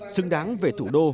xứng đáng về thủ đô